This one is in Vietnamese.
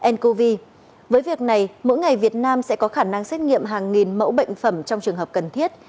ncov với việc này mỗi ngày việt nam sẽ có khả năng xét nghiệm hàng nghìn mẫu bệnh phẩm trong trường hợp cần thiết